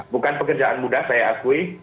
bukan pekerjaan mudah saya akui